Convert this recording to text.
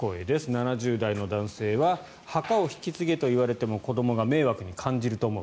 ７０代の男性は墓を引き継げと言われても子どもが迷惑に感じると思う。